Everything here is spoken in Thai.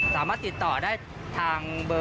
สามารถติดต่อได้ทาง